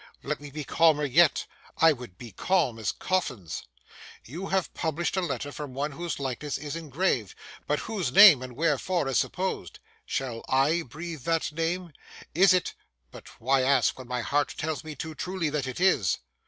Let me be calmer yet; I would be calm as coffins. You have published a letter from one whose likeness is engraved, but whose name (and wherefore?) is suppressed. Shall I breathe that name! Is it—but why ask when my heart tells me too truly that it is!